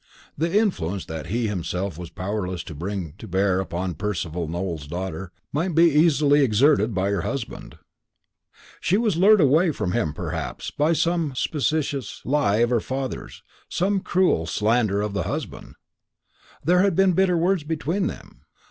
The influence that he himself was powerless to bring to bear upon Percival Nowell's daughter might be easily exerted by her husband. "She was lured away from him, perhaps, by some specious lie of her father's, some cruel slander of the husband. There had been bitter words between them.